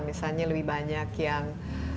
misalnya lebih banyak yang